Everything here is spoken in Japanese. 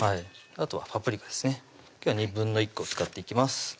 あとはパプリカですね今日は１／２個使っていきます